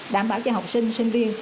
đảm bảo cho học sinh sinh viên